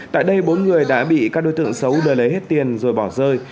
tại đây bốn người đã bị các đối tượng xấu đưa lấy hết tiền rồi bỏ rơi